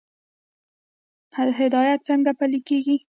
هدایت څنګه پلی کیږي؟